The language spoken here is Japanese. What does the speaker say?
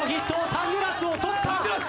サングラスを取った！